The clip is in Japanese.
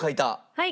はい。